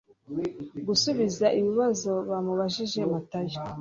gusubiza ibibazo bamubajije Matayo